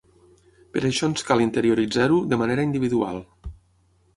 Per això ens cal interioritzar-ho de manera individual.